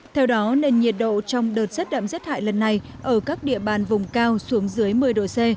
theo đó nền nhiệt độ trong đợt rét đậm rét hại lần này ở các địa bàn vùng cao xuống dưới một mươi độ c